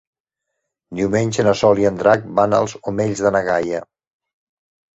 Diumenge na Sol i en Drac van als Omells de na Gaia.